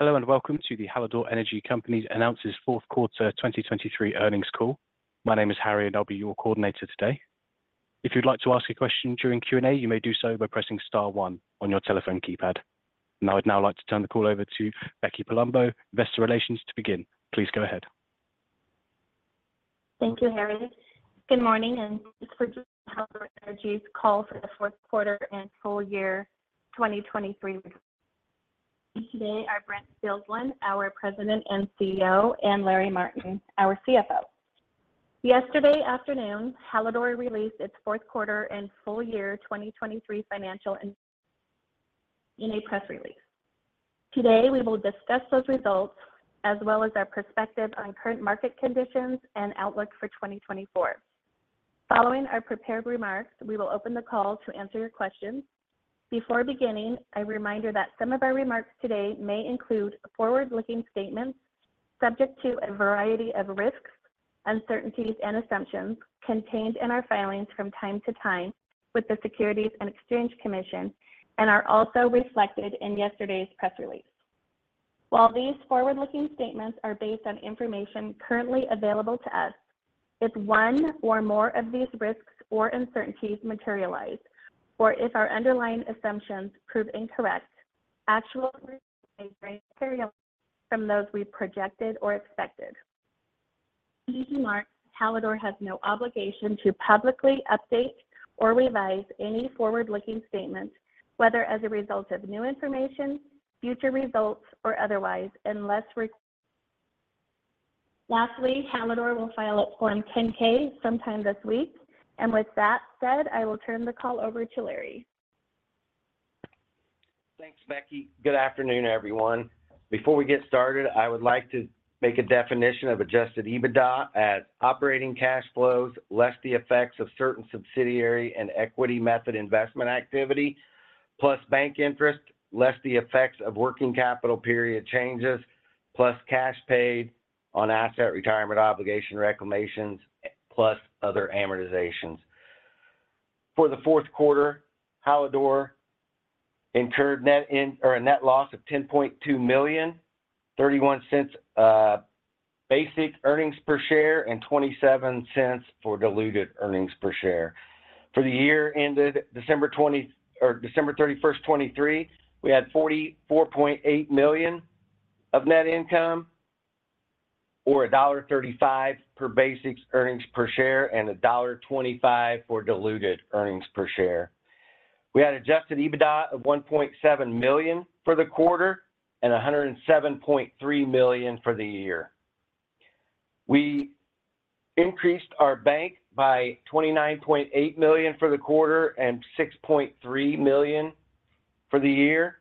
Hello and welcome to the Hallador Energy Company announced Fourth Quarter 2023 earnings call. My name is Harry and I'll be your coordinator today. If you'd like to ask a question during Q&A, you may do so by pressing star 1 on your telephone keypad. And I would now like to turn the call over to Becky Palumbo, Investor Relations, to begin. Please go ahead. Thank you, Harry. Good morning and thanks for joining Hallador Energy's call for the fourth quarter and full year 2023. Today are Brent Bilsland, our President and CEO, and Larry Martin, our CFO. Yesterday afternoon, Hallador released its fourth quarter and full year 2023 financials in a press release. Today we will discuss those results as well as our perspective on current market conditions and outlook for 2024. Following our prepared remarks, we will open the call to answer your questions. Before beginning, a reminder that some of our remarks today may include forward-looking statements subject to a variety of risks, uncertainties, and assumptions contained in our filings from time to time with the Securities and Exchange Commission and are also reflected in yesterday's press release. While these forward-looking statements are based on information currently available to us, if one or more of these risks or uncertainties materialize, or if our underlying assumptions prove incorrect, actual results may vary from those we projected or expected. To be clear, Hallador has no obligation to publicly update or revise any forward-looking statements, whether as a result of new information, future results, or otherwise, unless required. Lastly, Hallador will file its Form 10-K sometime this week. With that said, I will turn the call over to Larry. Thanks, Becky. Good afternoon, everyone. Before we get started, I would like to make a definition of Adjusted EBITDA as operating cash flows less the effects of certain subsidiary and equity method investment activity, plus bank interest less the effects of working capital period changes, plus cash paid on asset retirement obligation reclamations, plus other amortizations. For the fourth quarter, Hallador incurred net loss of $10.2 million, $0.31 basic earnings per share and $0.27 for diluted earnings per share. For the year ended December 31st, 2023, we had $44.8 million of net income, or $1.35 per basic earnings per share and $1.25 for diluted earnings per share. We had Adjusted EBITDA of $1.7 million for the quarter and $107.3 million for the year. We increased our bank by $29.8 million for the quarter and $6.3 million for the year.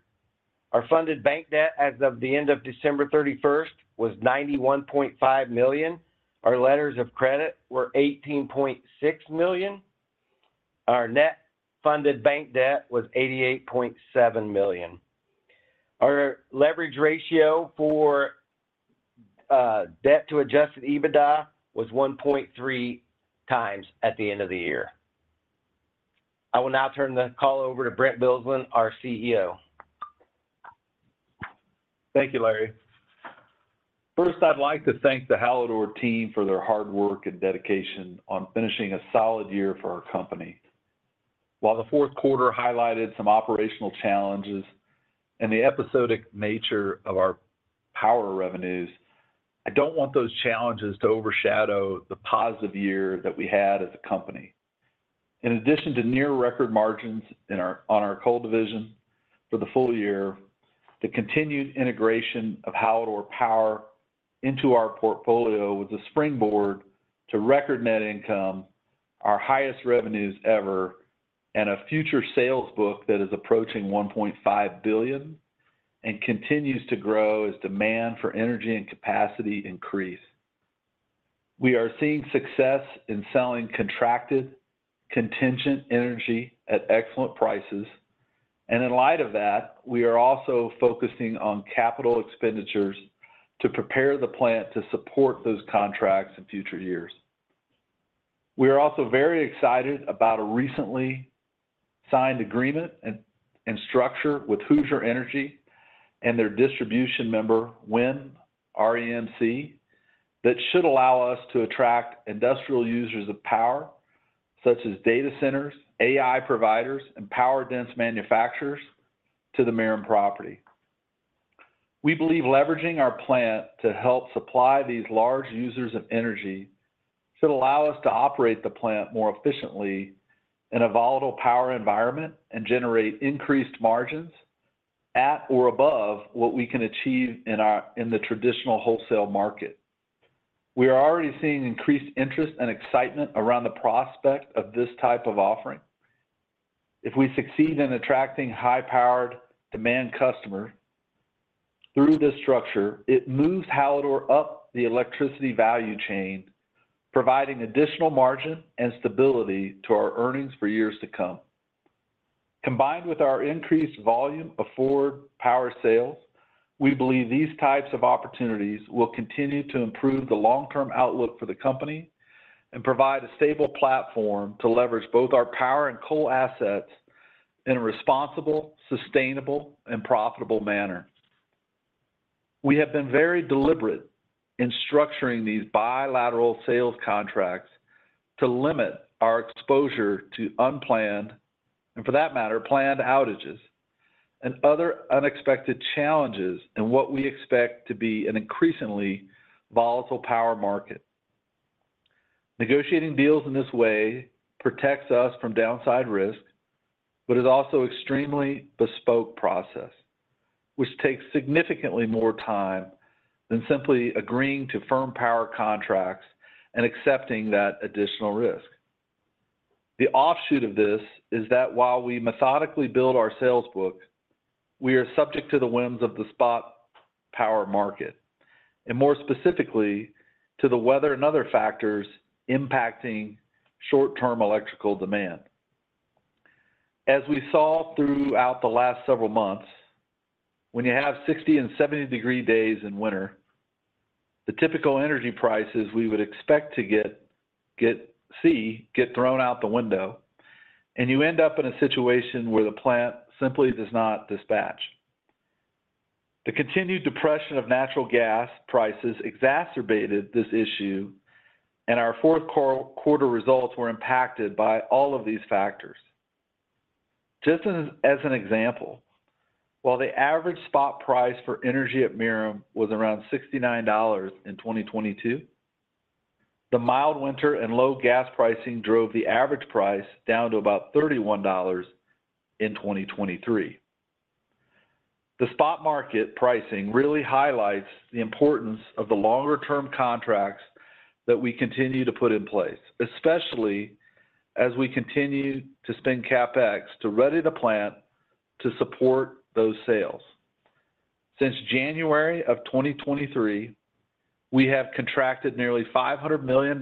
Our funded bank debt as of the end of December 31st was $91.5 million. Our letters of credit were $18.6 million. Our net funded bank debt was $88.7 million. Our leverage ratio for debt to Adjusted EBITDA was 1.3x at the end of the year. I will now turn the call over to Brent Bilsland, our CEO. Thank you, Larry. First, I'd like to thank the Hallador team for their hard work and dedication on finishing a solid year for our company. While the fourth quarter highlighted some operational challenges and the episodic nature of our power revenues, I don't want those challenges to overshadow the positive year that we had as a company. In addition to near-record margins on our coal division for the full year, the continued integration of Hallador Power into our portfolio was a springboard to record net income, our highest revenues ever, and a future sales book that is approaching $1.5 billion and continues to grow as demand for energy and capacity increase. We are seeing success in selling contracted, contingent energy at excellent prices, and in light of that, we are also focusing on capital expenditures to prepare the plant to support those contracts in future years. We are also very excited about a recently signed agreement and structure with Hoosier Energy and their distribution member, WIN Energy REMC, that should allow us to attract industrial users of power such as data centers, AI providers, and power-dense manufacturers to the Merom property. We believe leveraging our plant to help supply these large users of energy should allow us to operate the plant more efficiently in a volatile power environment and generate increased margins at or above what we can achieve in the traditional wholesale market. We are already seeing increased interest and excitement around the prospect of this type of offering. If we succeed in attracting high-powered, demand customers through this structure, it moves Hallador up the electricity value chain, providing additional margin and stability to our earnings for years to come. Combined with our increased volume of forward power sales, we believe these types of opportunities will continue to improve the long-term outlook for the company and provide a stable platform to leverage both our power and coal assets in a responsible, sustainable, and profitable manner. We have been very deliberate in structuring these bilateral sales contracts to limit our exposure to unplanned and, for that matter, planned outages and other unexpected challenges in what we expect to be an increasingly volatile power market. Negotiating deals in this way protects us from downside risk, but is also an extremely bespoke process, which takes significantly more time than simply agreeing to firm power contracts and accepting that additional risk. The offshoot of this is that while we methodically build our sales book, we are subject to the whims of the spot power market, and more specifically to the weather and other factors impacting short-term electrical demand. As we saw throughout the last several months, when you have 60- and 70-degree days in winter, the typical energy prices we would expect to see get thrown out the window, and you end up in a situation where the plant simply does not dispatch. The continued depression of natural gas prices exacerbated this issue, and our fourth quarter results were impacted by all of these factors. Just as an example, while the average spot price for energy at Merom was around $69 in 2022, the mild winter and low gas pricing drove the average price down to about $31 in 2023. The spot market pricing really highlights the importance of the longer-term contracts that we continue to put in place, especially as we continue to spend CapEx to ready the plant to support those sales. Since January of 2023, we have contracted nearly $500 million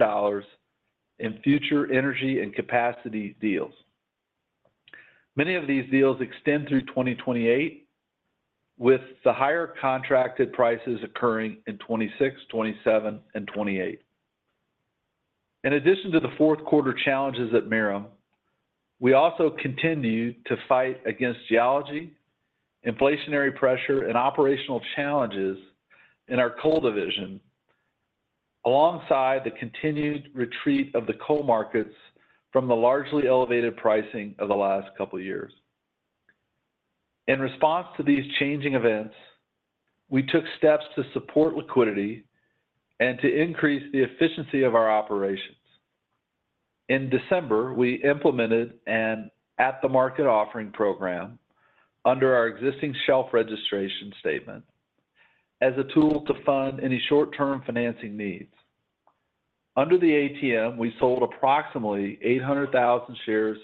in future energy and capacity deals. Many of these deals extend through 2028, with the higher contracted prices occurring in 2026, 2027, and 2028. In addition to the fourth quarter challenges at Merom, we also continue to fight against geology, inflationary pressure, and operational challenges in our coal division alongside the continued retreat of the coal markets from the largely elevated pricing of the last couple of years. In response to these changing events, we took steps to support liquidity and to increase the efficiency of our operations. In December, we implemented an at-the-market offering program under our existing shelf registration statement as a tool to fund any short-term financing needs. Under the ATM, we sold approximately 800,000 shares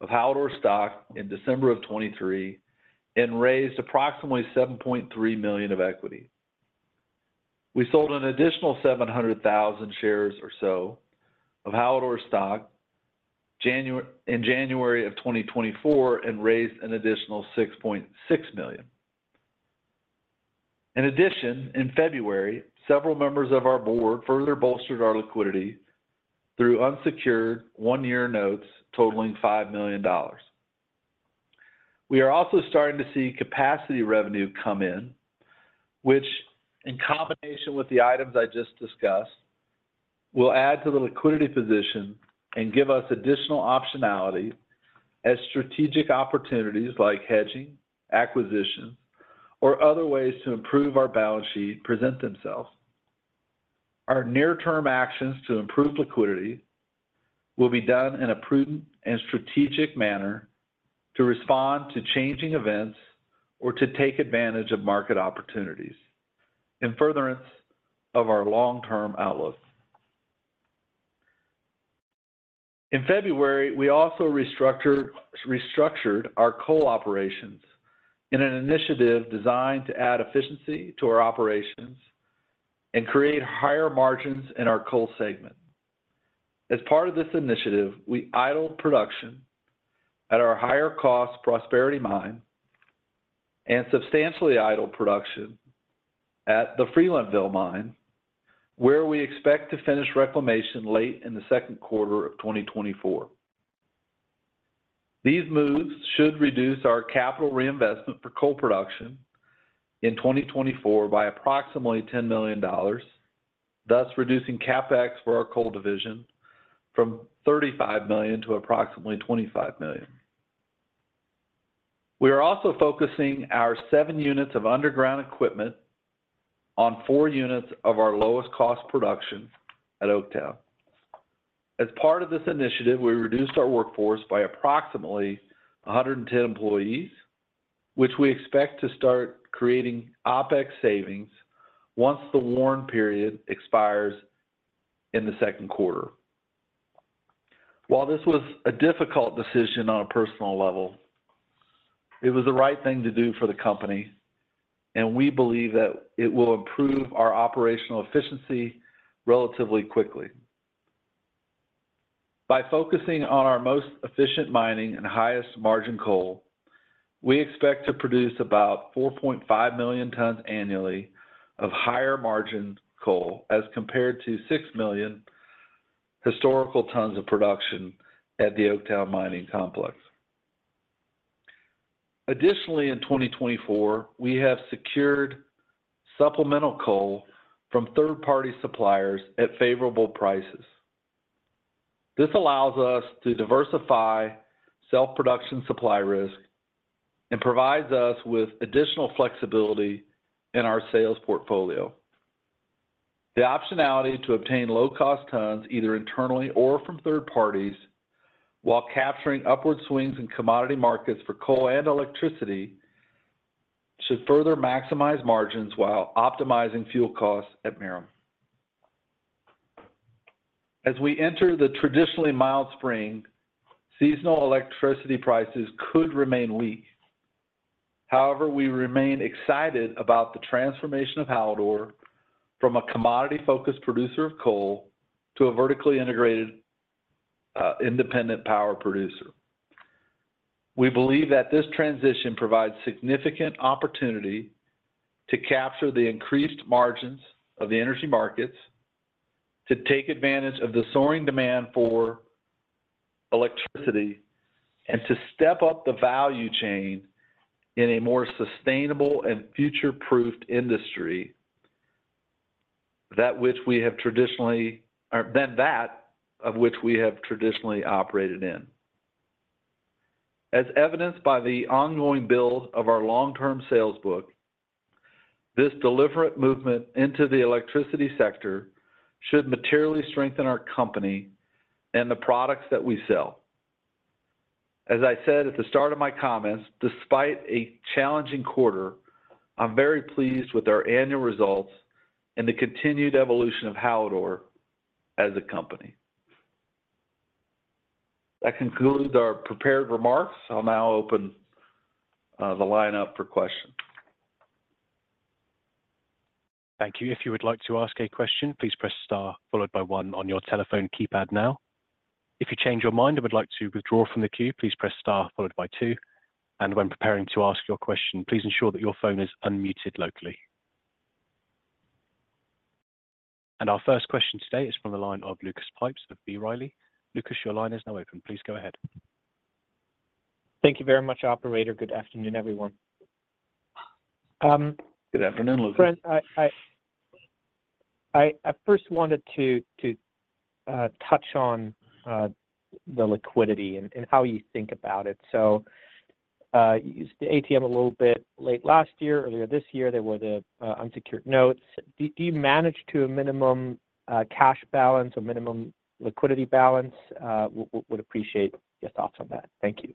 of Hallador stock in December of 2023 and raised approximately $7.3 million of equity. We sold an additional 700,000 shares or so of Hallador stock in January of 2024 and raised an additional $6.6 million. In addition, in February, several members of our board further bolstered our liquidity through unsecured one-year notes totaling $5 million. We are also starting to see capacity revenue come in, which, in combination with the items I just discussed, will add to the liquidity position and give us additional optionality as strategic opportunities like hedging, acquisitions, or other ways to improve our balance sheet present themselves. Our near-term actions to improve liquidity will be done in a prudent and strategic manner to respond to changing events or to take advantage of market opportunities in furtherance of our long-term outlook. In February, we also restructured our coal operations in an initiative designed to add efficiency to our operations and create higher margins in our coal segment. As part of this initiative, we idled production at our higher-cost Prosperity Mine and substantially idled production at the Freelandville Mine, where we expect to finish reclamation late in the second quarter of 2024. These moves should reduce our capital reinvestment for coal production in 2024 by approximately $10 million, thus reducing CapEx for our coal division from $35 million to approximately $25 million. We are also focusing our seven units of underground equipment on four units of our lowest-cost production at Oaktown. As part of this initiative, we reduced our workforce by approximately 110 employees, which we expect to start creating OpEx savings once the warrant period expires in the second quarter. While this was a difficult decision on a personal level, it was the right thing to do for the company, and we believe that it will improve our operational efficiency relatively quickly. By focusing on our most efficient mining and highest-margin coal, we expect to produce about 4.5 million tons annually of higher-margin coal as compared to 6 million historical tons of production at the Oaktown Mining Complex. Additionally, in 2024, we have secured supplemental coal from third-party suppliers at favorable prices. This allows us to diversify self-production supply risk and provides us with additional flexibility in our sales portfolio. The optionality to obtain low-cost tons either internally or from third parties while capturing upward swings in commodity markets for coal and electricity should further maximize margins while optimizing fuel costs at Merom. As we enter the traditionally mild spring, seasonal electricity prices could remain weak. However, we remain excited about the transformation of Hallador from a commodity-focused producer of coal to a vertically integrated independent power producer. We believe that this transition provides significant opportunity to capture the increased margins of the energy markets, to take advantage of the soaring demand for electricity, and to step up the value chain in a more sustainable and future-proofed industry than that of which we have traditionally operated in. As evidenced by the ongoing build of our long-term sales book, this deliberate movement into the electricity sector should materially strengthen our company and the products that we sell. As I said at the start of my comments, despite a challenging quarter, I'm very pleased with our annual results and the continued evolution of Hallador as a company. That concludes our prepared remarks. I'll now open the line up for questions. Thank you. If you would like to ask a question, please press star followed by one on your telephone keypad now. If you change your mind and would like to withdraw from the queue, please press star followed by two. When preparing to ask your question, please ensure that your phone is unmuted locally. Our first question today is from the line of Lucas Pipes of B. Riley. Lucas, your line is now open. Please go ahead. Thank you very much, operator. Good afternoon, everyone. Good afternoon, Lucas. Brent, I first wanted to touch on the liquidity and how you think about it. So you used the ATM a little bit late last year. Earlier this year, there were the unsecured notes. Do you manage to a minimum cash balance or minimum liquidity balance? Would appreciate your thoughts on that. Thank you.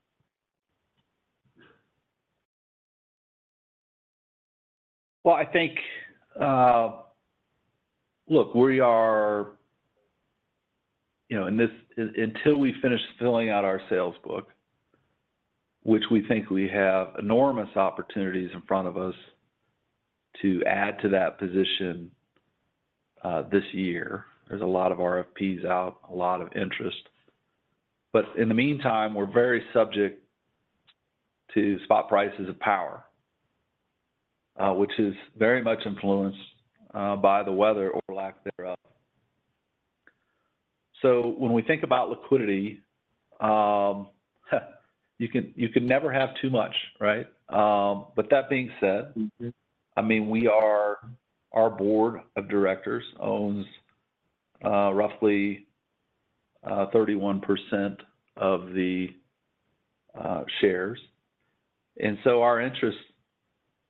Well, I think, look, we are until we finish filling out our sales book, which we think we have enormous opportunities in front of us to add to that position this year. There's a lot of RFPs out, a lot of interest. But in the meantime, we're very subject to spot prices of power, which is very much influenced by the weather or lack thereof. So when we think about liquidity, you can never have too much, right? But that being said, I mean, our board of directors owns roughly 31% of the shares. And so our interests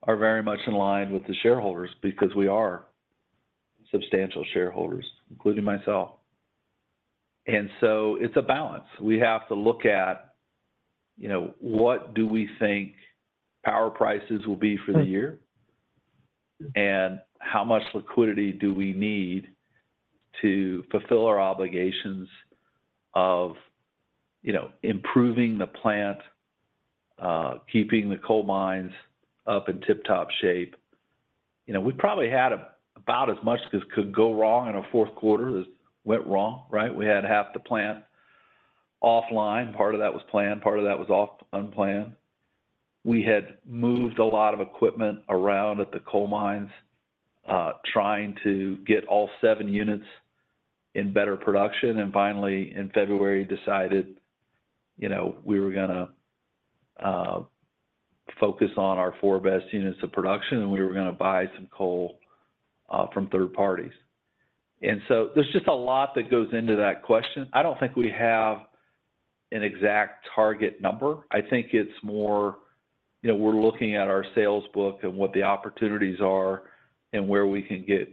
are very much in line with the shareholders because we are substantial shareholders, including myself. And so it's a balance. We have to look at what do we think power prices will be for the year, and how much liquidity do we need to fulfill our obligations of improving the plant, keeping the coal mines up in tip-top shape. We probably had about as much that could go wrong in a fourth quarter as went wrong, right? We had half the plant offline. Part of that was planned. Part of that was unplanned. We had moved a lot of equipment around at the coal mines trying to get all seven units in better production. And finally, in February, decided we were going to focus on our four best units of production, and we were going to buy some coal from third parties. And so there's just a lot that goes into that question. I don't think we have an exact target number. I think it's more we're looking at our sales book and what the opportunities are and where we can get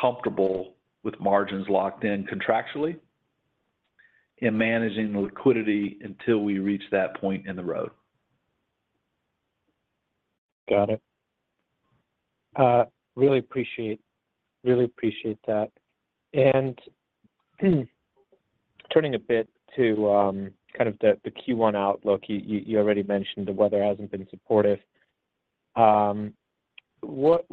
comfortable with margins locked in contractually and managing liquidity until we reach that point in the road. Got it. Really appreciate that. And turning a bit to kind of the Q1 outlook, you already mentioned the weather hasn't been supportive. What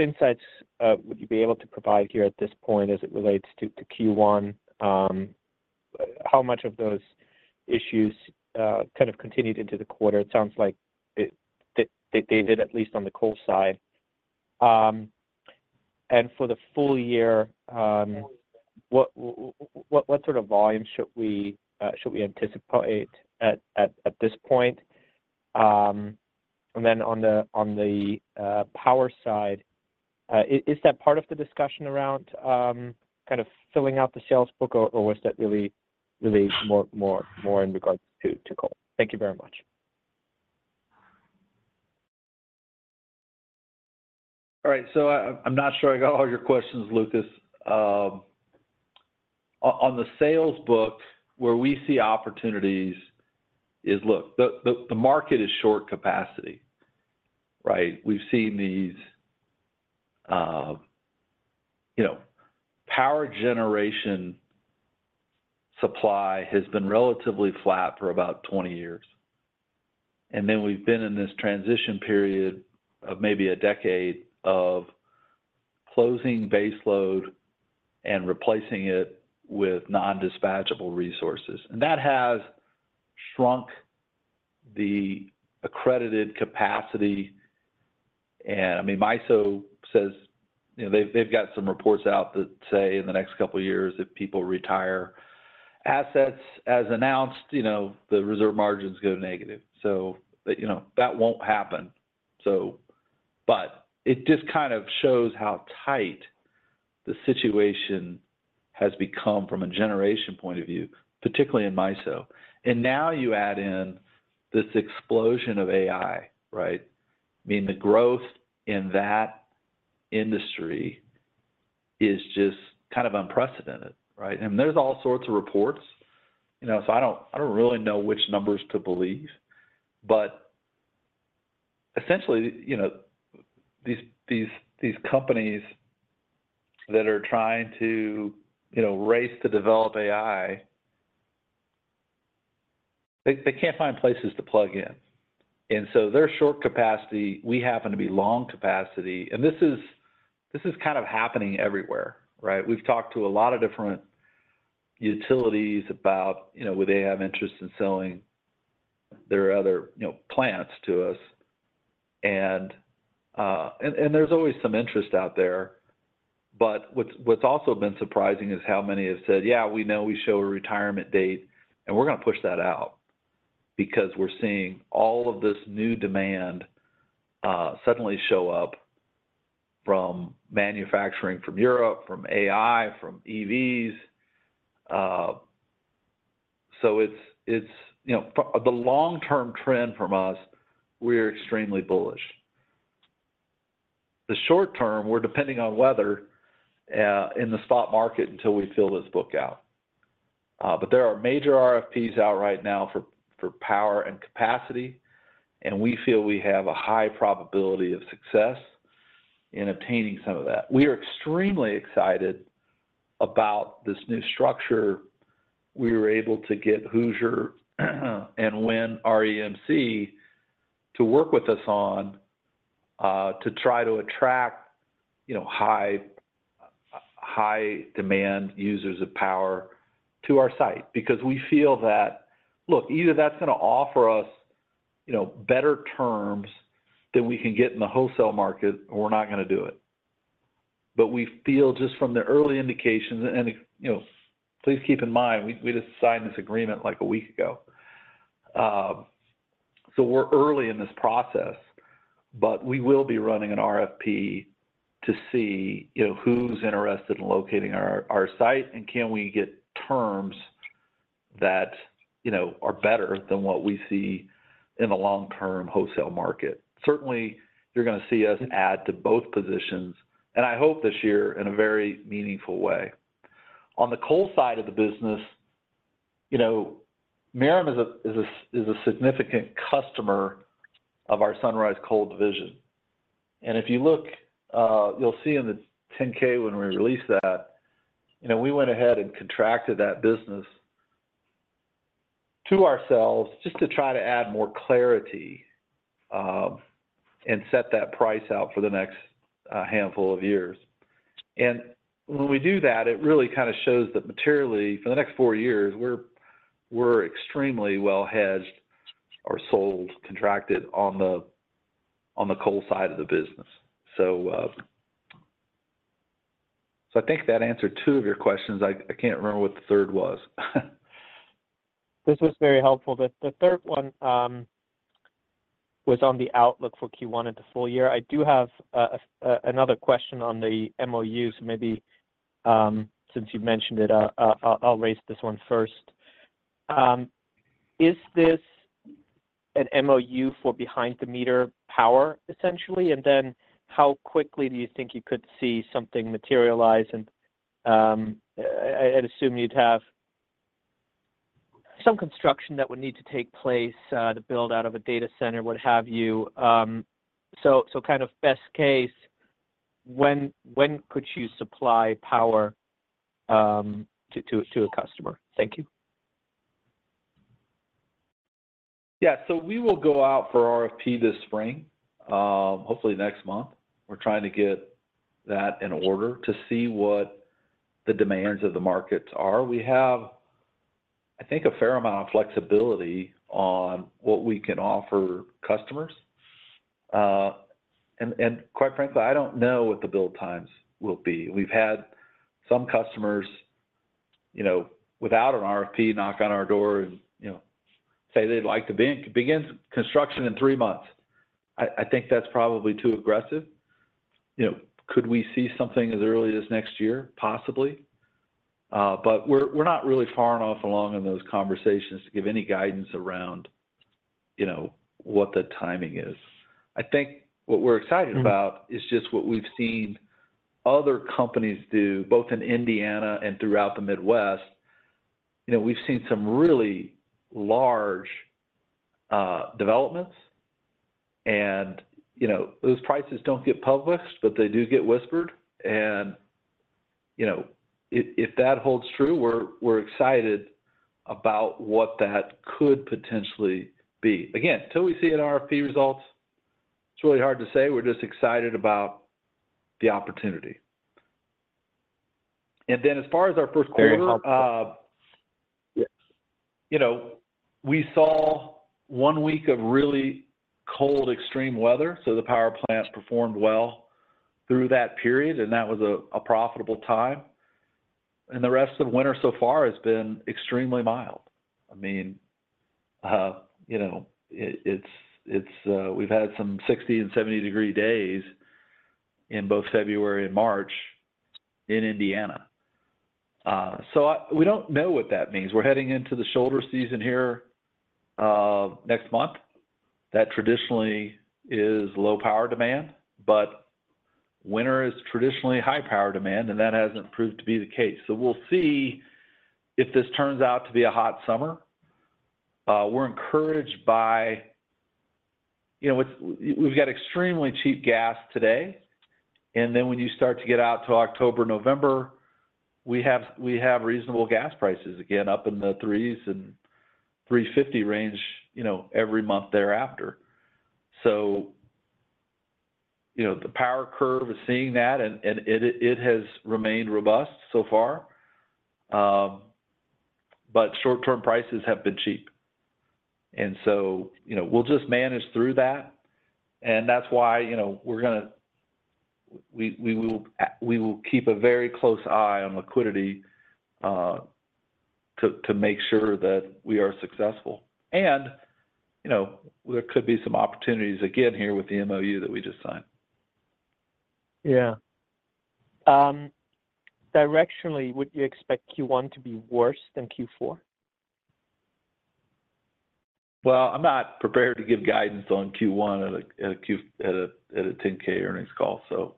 insights would you be able to provide here at this point as it relates to Q1? How much of those issues kind of continued into the quarter? It sounds like they did, at least on the coal side. And for the full year, what sort of volumes should we anticipate at this point? And then on the power side, is that part of the discussion around kind of filling out the sales book, or was that really more in regards to coal? Thank you very much. All right. So I'm not sure I got all your questions, Lucas. On the sales book, where we see opportunities is, look, the market is short capacity, right? We've seen these power generation supply has been relatively flat for about 20 years. And then we've been in this transition period of maybe a decade of closing baseload and replacing it with non-dispatchable resources. And that has shrunk the accredited capacity. And I mean, MISO says they've got some reports out that say in the next couple of years, if people retire assets as announced, the reserve margins go negative. So that won't happen. But it just kind of shows how tight the situation has become from a generation point of view, particularly in MISO. And now you add in this explosion of AI, right? I mean, the growth in that industry is just kind of unprecedented, right? There's all sorts of reports. So I don't really know which numbers to believe. But essentially, these companies that are trying to race to develop AI, they can't find places to plug in. And so they're short capacity. We happen to be long capacity. And this is kind of happening everywhere, right? We've talked to a lot of different utilities about, would they have interest in selling their other plants to us. And there's always some interest out there. But what's also been surprising is how many have said, "Yeah, we know we show a retirement date, and we're going to push that out because we're seeing all of this new demand suddenly show up from manufacturing, from Europe, from AI, from EVs." So the long-term trend from us, we're extremely bullish. The short term, we're depending on weather in the spot market until we fill this book out. But there are major RFPs out right now for power and capacity, and we feel we have a high probability of success in obtaining some of that. We are extremely excited about this new structure. We were able to get Hoosier and WIN REMC to work with us on to try to attract high-demand users of power to our site because we feel that, look, either that's going to offer us better terms than we can get in the wholesale market, or we're not going to do it. But we feel just from the early indications and please keep in mind, we just signed this agreement like a week ago. So we're early in this process, but we will be running an RFP to see who's interested in locating our site, and can we get terms that are better than what we see in the long-term wholesale market. Certainly, you're going to see us add to both positions, and I hope this year in a very meaningful way. On the coal side of the business, Merom is a significant customer of our Sunrise Coal division. And if you look, you'll see in the 10-K when we release that, we went ahead and contracted that business to ourselves just to try to add more clarity and set that price out for the next handful of years. And when we do that, it really kind of shows that materially, for the next four years, we're extremely well hedged or sold, contracted on the coal side of the business. So I think that answered two of your questions. I can't remember what the third was. This was very helpful. The third one was on the outlook for Q1 and the full year. I do have another question on the MOU. So maybe since you mentioned it, I'll raise this one first. Is this an MOU for behind-the-meter power, essentially? And then how quickly do you think you could see something materialize? And I'd assume you'd have some construction that would need to take place, the build-out of a data center, what have you. So kind of best case, when could you supply power to a customer? Thank you. Yeah. So we will go out for RFP this spring, hopefully next month. We're trying to get that in order to see what the demands of the markets are. We have, I think, a fair amount of flexibility on what we can offer customers. And quite frankly, I don't know what the build times will be. We've had some customers without an RFP knock on our door and say they'd like to begin construction in three months. I think that's probably too aggressive. Could we see something as early as next year? Possibly. But we're not really far enough along in those conversations to give any guidance around what the timing is. I think what we're excited about is just what we've seen other companies do, both in Indiana and throughout the Midwest. We've seen some really large developments, and those prices don't get published, but they do get whispered. And if that holds true, we're excited about what that could potentially be. Again, till we see an RFP result, it's really hard to say. We're just excited about the opportunity. And then as far as our first quarter, we saw one week of really cold, extreme weather. So the power plant performed well through that period, and that was a profitable time. And the rest of winter so far has been extremely mild. I mean, we've had some 60- and 70-degree days in both February and March in Indiana. So we don't know what that means. We're heading into the shoulder season here next month. That traditionally is low power demand, but winter is traditionally high power demand, and that hasn't proved to be the case. So we'll see if this turns out to be a hot summer. We're encouraged by we've got extremely cheap gas today. Then when you start to get out to October, November, we have reasonable gas prices again up in the $3s and $3.50 range every month thereafter. So the power curve is seeing that, and it has remained robust so far. But short-term prices have been cheap. And so we'll just manage through that. And that's why we will keep a very close eye on liquidity to make sure that we are successful. And there could be some opportunities again here with the MOU that we just signed. Yeah. Directionally, would you expect Q1 to be worse than Q4? Well, I'm not prepared to give guidance on Q1 at a 10-K earnings call. So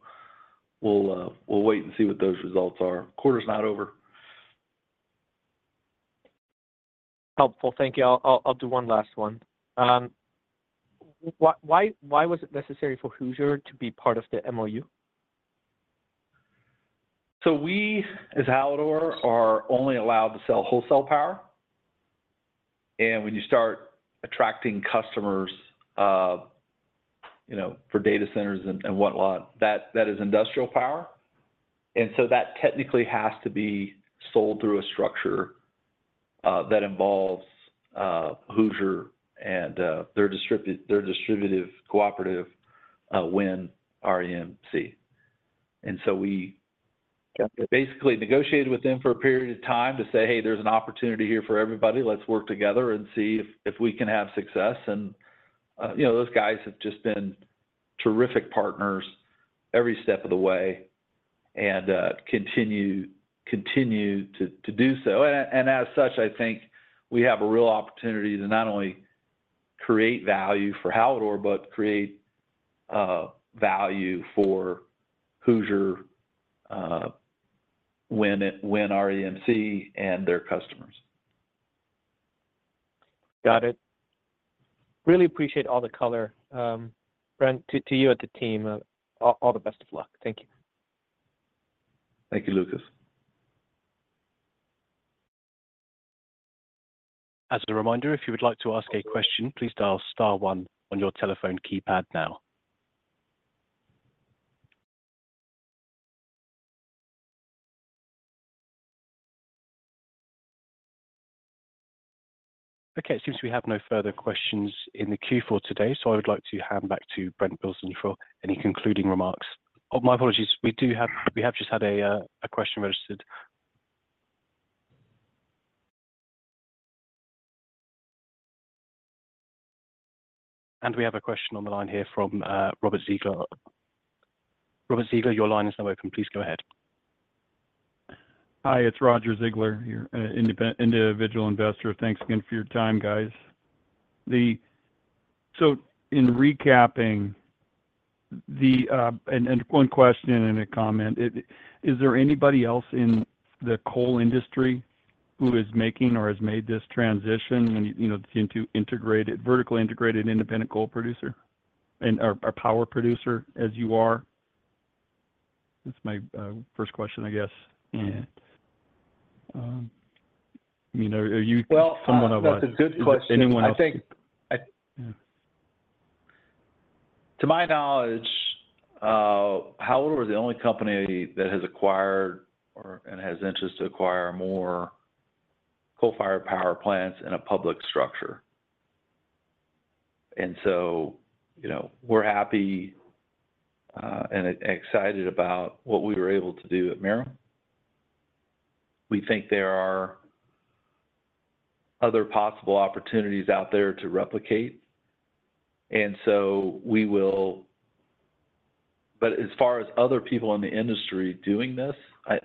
we'll wait and see what those results are. Quarter's not over. Helpful. Thank you. I'll do one last one. Why was it necessary for Hoosier to be part of the MOU? So we, as Hallador, are only allowed to sell wholesale power. And when you start attracting customers for data centers and whatnot, that is industrial power. And so that technically has to be sold through a structure that involves Hoosier and their distribution cooperative, WIN Energy REMC. And so we basically negotiated with them for a period of time to say, "Hey, there's an opportunity here for everybody. Let's work together and see if we can have success." And those guys have just been terrific partners every step of the way and continue to do so. And as such, I think we have a real opportunity to not only create value for Hallador but create value for Hoosier, WIN Energy REMC, and their customers. Got it. Really appreciate all the color, Brent, to you and the team. All the best of luck. Thank you. Thank you, Lucas. As a reminder, if you would like to ask a question, please dial star 1 on your telephone keypad now. Okay. It seems we have no further questions in the Q4 today. So I would like to hand back to Brent Bilsland for any concluding remarks. My apologies. We have just had a question registered. And we have a question on the line here from Roger Ziegler. Roger Ziegler, your line is now open. Please go ahead. Hi. It's Roger Ziegler here, individual investor. Thanks again for your time, guys. In recapping, one question and a comment: is there anybody else in the coal industry who is making or has made this transition into vertically integrated independent coal producer or power producer as you are? That's my first question, I guess. I mean, are you someone of us? Well, that's a good question. I think to my knowledge, Hallador is the only company that has acquired and has interest to acquire more coal-fired power plants in a public structure. And so we're happy and excited about what we were able to do at Merom. We think there are other possible opportunities out there to replicate. And so we will but as far as other people in the industry doing this,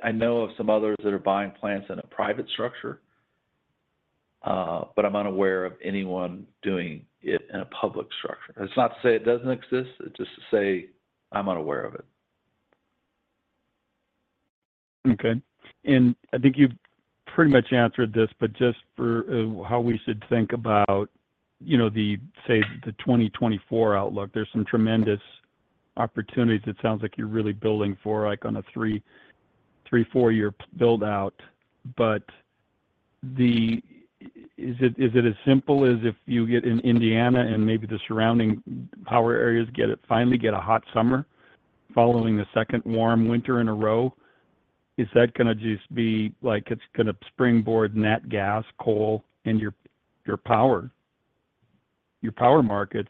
I know of some others that are buying plants in a private structure, but I'm unaware of anyone doing it in a public structure. It's not to say it doesn't exist. It's just to say I'm unaware of it. Okay. I think you've pretty much answered this, but just for how we should think about, say, the 2024 outlook, there's some tremendous opportunities it sounds like you're really building for on a three-four-year build-out. But is it as simple as if you get in Indiana and maybe the surrounding power areas finally get a hot summer following the second warm winter in a row? Is that going to just be like it's going to springboard nat gas, coal, and your power markets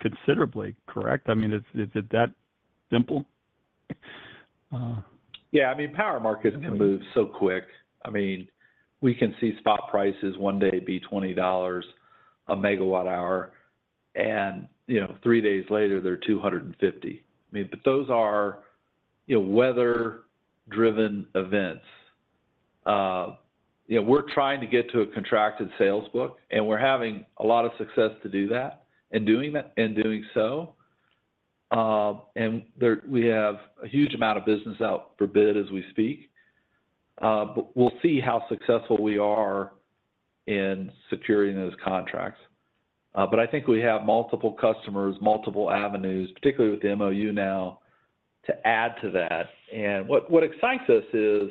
considerably, correct? I mean, is it that simple? Yeah. I mean, power markets can move so quick. I mean, we can see spot prices one day be $20 a megawatt-hour, and three days later, they're $250. I mean, but those are weather-driven events. We're trying to get to a contracted sales book, and we're having a lot of success to do that and doing so. And we have a huge amount of business out for bid as we speak. But we'll see how successful we are in securing those contracts. But I think we have multiple customers, multiple avenues, particularly with the MOU now, to add to that. What excites us is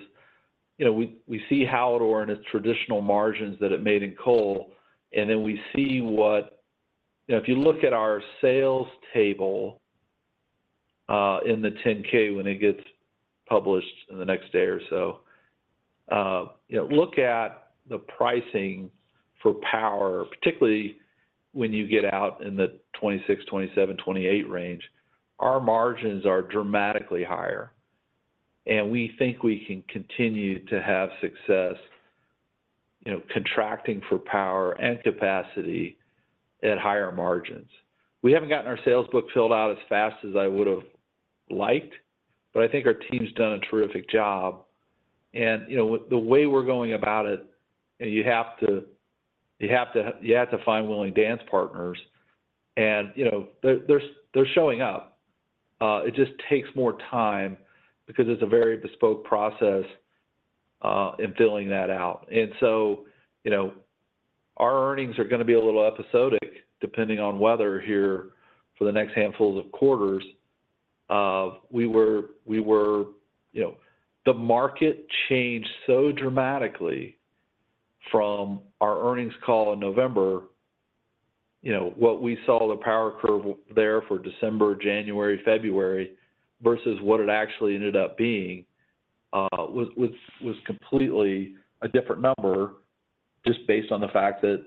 we see Hallador and its traditional margins that it made in coal, and then we see what if you look at our sales table in the 10-K when it gets published in the next day or so, look at the pricing for power, particularly when you get out in the 2026, 2027, 2028 range, our margins are dramatically higher. We think we can continue to have success contracting for power and capacity at higher margins. We haven't gotten our sales book filled out as fast as I would have liked, but I think our team's done a terrific job. The way we're going about it, you have to find willing dance partners. They're showing up. It just takes more time because it's a very bespoke process in filling that out. Our earnings are going to be a little episodic depending on weather here for the next handful of quarters. Whereas the market changed so dramatically from our earnings call in November. What we saw, the power curve there for December, January, February versus what it actually ended up being was completely a different number just based on the fact that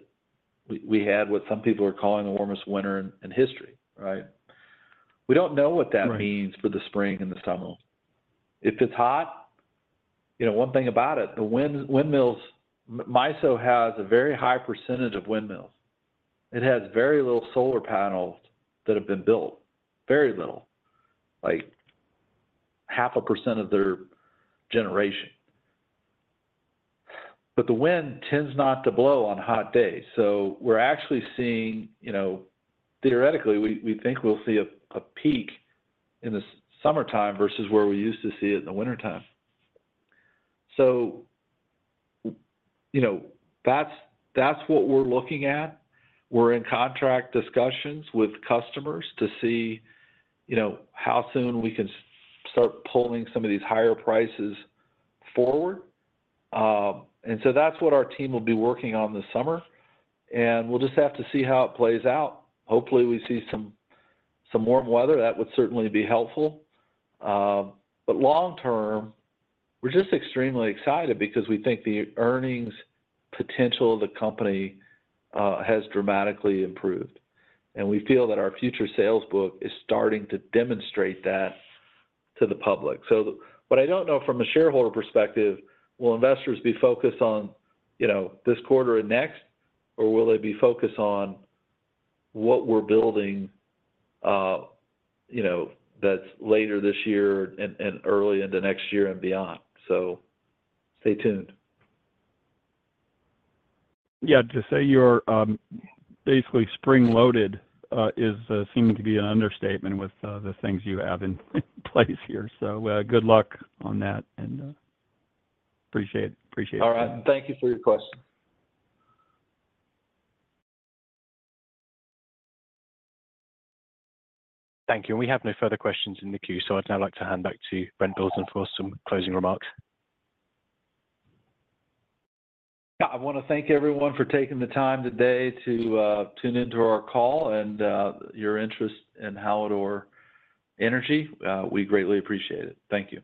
we had what some people are calling the warmest winter in history, right? We don't know what that means for the spring and the summer. If it's hot, one thing about it, the windmills MISO has a very high percentage of windmills. It has very little solar panels that have been built, very little, like 0.5% of their generation. But the wind tends not to blow on hot days. So we're actually seeing theoretically, we think we'll see a peak in the summertime versus where we used to see it in the wintertime. So that's what we're looking at. We're in contract discussions with customers to see how soon we can start pulling some of these higher prices forward. And so that's what our team will be working on this summer. And we'll just have to see how it plays out. Hopefully, we see some warm weather. That would certainly be helpful. But long-term, we're just extremely excited because we think the earnings potential of the company has dramatically improved. And we feel that our future sales book is starting to demonstrate that to the public. What I don't know from a shareholder perspective, will investors be focused on this quarter and next, or will they be focused on what we're building that's later this year and early into next year and beyond? Stay tuned. Yeah. To say you're basically spring-loaded seems to be an understatement with the things you have in place here. So good luck on that, and appreciate it. All right. Thank you for your question. Thank you. We have no further questions in the queue. I'd now like to hand back to Brent Bilsland for some closing remarks. Yeah. I want to thank everyone for taking the time today to tune into our call and your interest in Hallador Energy. We greatly appreciate it. Thank you.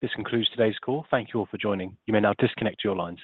This concludes today's call. Thank you all for joining. You may now disconnect your lines.